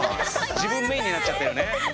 自分メインになっちゃってるね。